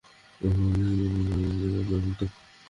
আর, আমি তো ছোটবেলা থেকেই আপনার ভক্ত!